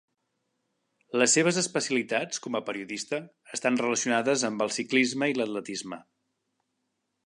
Les seves especialitats, com a periodista, estan relacionades amb el ciclisme i l'atletisme.